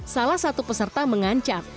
salah satu peserta mengancam